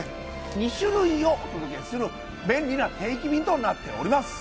２種類をお届けする便利な定期便となっております。